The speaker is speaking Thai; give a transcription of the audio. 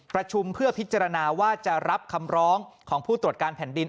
ประชุมเพื่อพิจารณาว่าจะรับคำร้องของผู้ตรวจการแผ่นดิน